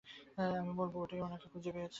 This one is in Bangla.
আমি বলবো ওটাই ওনাকে খুঁজে পেয়েছে।